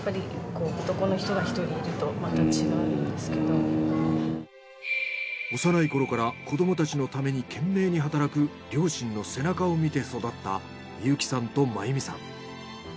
やっぱり幼い頃から子どもたちのために懸命に働く両親の背中を見て育った深雪さんと麻由美さん。